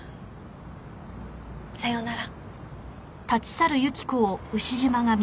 さようなら。